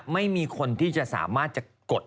ไม่มีคนที่จะสามารถจะกด